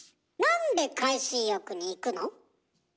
なんで海水浴に行くの？